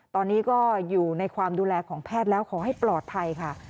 ตอนนี้ก็อยู่ในความดูแลของแพทย์แล้วขอให้ปลอดภัยค่ะ